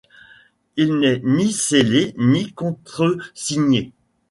Il n'est ni scellé ni contresigné.